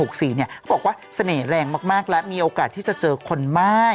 เขาบอกว่าเสน่ห์แรงมากและมีโอกาสที่จะเจอคนม่าย